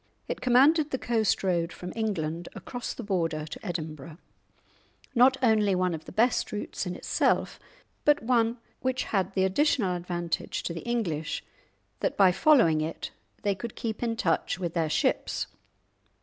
It commanded the coast road from England across the Border to Edinburgh, not only one of the best routes in itself, but one which had the additional advantage to the English that by following it they could keep in touch with their ships.